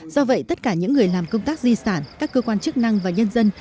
do vậy tất cả những người làm công tác di sản các cơ quan chức năng và nhân dân